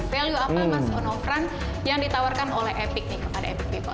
value apa mas monovran yang ditawarkan oleh epic nih kepada epic people